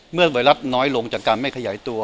ไวรัสน้อยลงจากการไม่ขยายตัว